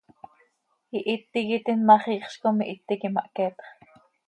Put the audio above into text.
Ihít iiqui tiin ma x, iixz com ihít iiqui mahqueetx.